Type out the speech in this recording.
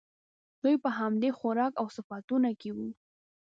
دوی په همدې خوراک او صفتونو کې وو.